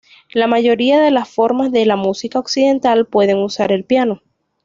La mayoría de las formas de la música occidental pueden usar el piano.